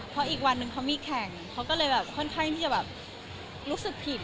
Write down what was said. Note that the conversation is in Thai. เพราะอีกวันนึงเขามีแข่งเขาก็เลยแบบค่อนข้างที่จะแบบรู้สึกผิด